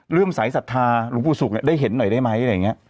ืมสายศรัทธาหลวงปู่ศุกร์ได้เห็นหน่อยได้ไหมอะไรอย่างนี้